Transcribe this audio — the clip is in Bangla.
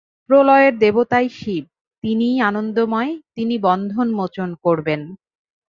প্রলয়ের দেবতাই শিব, তিনিই আনন্দময়, তিনি বন্ধন মোচন করবেন।